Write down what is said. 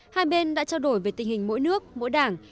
hai bên đã trao đổi về tình hình mỗi nước mỗi đảng